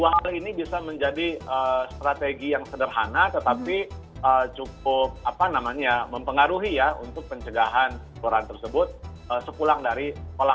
dua hal ini bisa menjadi strategi yang sederhana tetapi cukup mempengaruhi ya untuk pencegahan kelurahan tersebut sepulang dari sekolah